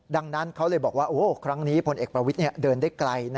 ดังนั้นเขาเลยบอกว่าครั้งนี้พลเอกประวิทย์เดินได้ไกล